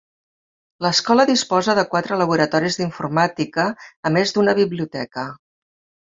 L'escola disposa de quatre laboratoris d'informàtica a més d'una biblioteca.